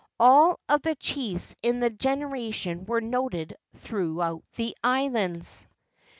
All of the chiefs in that generation were noted throughout the islands.